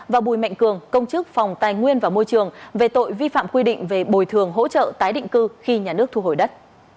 và bùi mạnh cường công chức phòng tài nguyên và môi trường về tội vi phạm quy định về bồi thường hỗ trợ tái định cư khi nhà nước thu hồi đất